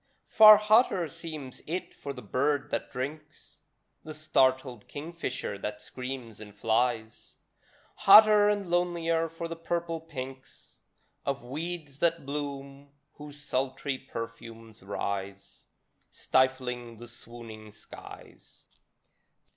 Far hotter seems it for the bird that drinks, The startled kingfisher that screams and flies; Hotter and lonelier for the purple pinks Of weeds that bloom, whose sultry perfumes rise Stifling the swooning skies.